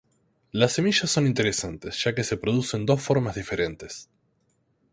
Las semillas son interesantes ya que se producen dos formas diferentes.